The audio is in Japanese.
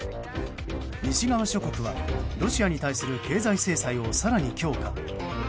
西側諸国はロシアに対する経済制裁を更に強化。